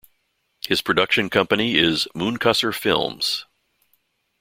His production company is Mooncusser Films.